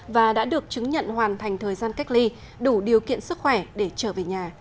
và đã được chứng nhận hoàn thành thời gian cách ly đủ điều kiện sức khỏe để trở về nhà